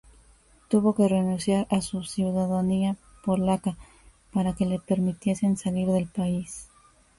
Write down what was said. Tuvo que renunciar a su ciudadanía polaca para que le permitiesen salir del país.